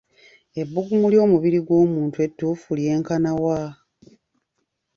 Ebbugumu ly'omubiri gw'omuntu ettuufu lyenkana ki?